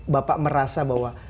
bapak merasa bahwa